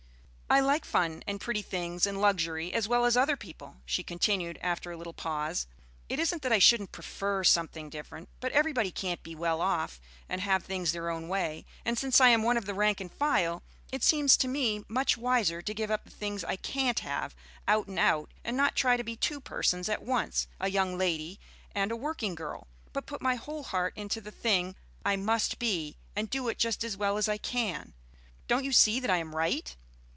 "I like fun and pretty things and luxury as well as other people," she continued, after a little pause. "It isn't that I shouldn't prefer something different. But everybody can't be well off and have things their own way; and since I am one of the rank and file, it seems to me much wiser to give up the things I can't have, out and out, and not try to be two persons at once, a young lady and a working girl, but put my whole heart into the thing I must be, and do it just as well as I can. Don't you see that I am right?"